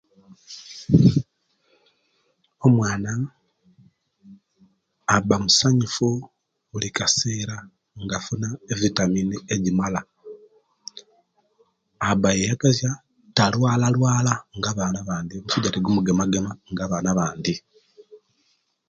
Omwaana aba musayufu buli kasera nga fuuna vitamins egiimala aba yeyagaza talwalalwala nga abaana bandi omusuja tigumugemagema nga baana bandi.